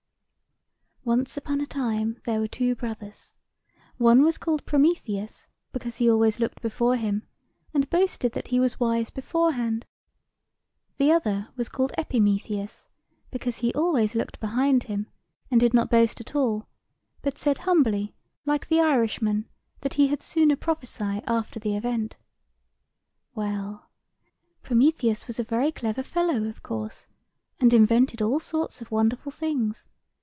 "Once on a time, there were two brothers. One was called Prometheus, because he always looked before him, and boasted that he was wise beforehand. The other was called Epimetheus, because he always looked behind him, and did not boast at all; but said humbly, like the Irishman, that he had sooner prophesy after the event. "Well, Prometheus was a very clever fellow, of course, and invented all sorts of wonderful things.